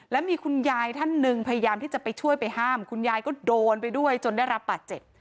แล้วมีคุณยายท่านหนึ่งพยายามที่จะไปช่วยไปห้ามคุณยายก็โดนไปด้วยจนได้รับบาดเจ็บ